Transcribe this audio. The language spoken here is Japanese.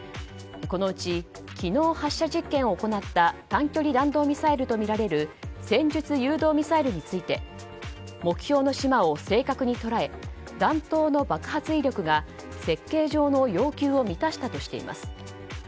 このうち、昨日発射実験を行った短距離弾道ミサイルとみられる戦術誘導ミサイルについて目標の島を正確に捉え弾頭の爆発威力が設計上の要求を満たしたとしています。